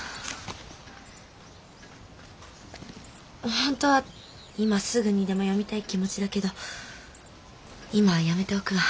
本当は今すぐにでも読みたい気持ちだけど今はやめておくわ。